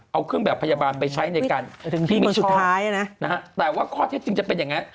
เอาเครื่องแบบพยาบาลไปใช้ในการที่มีสุดท้ายนะแต่ว่าข้อเท็จจริงจะเป็นอย่างนั้น